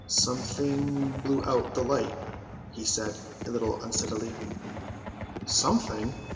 "Something blew out the light," he said a little unsteadily. "Something!"